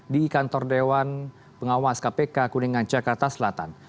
di kantor dewan pengawas kpk kuningan jakarta selatan